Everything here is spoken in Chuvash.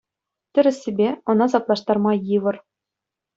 Тӗрӗссипе, ӑна саплаштарма йывӑр.